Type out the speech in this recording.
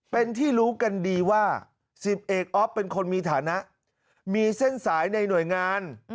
เป็นที่รู้กันดีว่า๑๐เอกอ๊อฟเป็นคนมีฐานะมีเส้นสายในหน่วยงาน